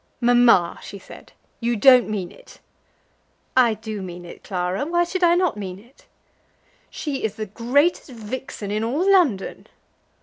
"Mamma," she said, "you don't mean it!" "I do mean it, Clara. Why should I not mean it?" "She is the greatest vixen in all London."